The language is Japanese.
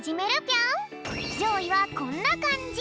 じょういはこんなかんじ。